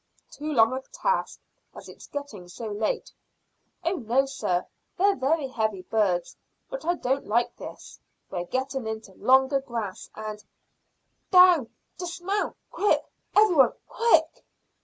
"Too long a task, as it's getting so late." "Oh no, sir; they're very heavy birds. But I don't like this; we're getting into longer grass and down dismount quick, every one quick!"